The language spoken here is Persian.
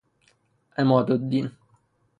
عماد الدین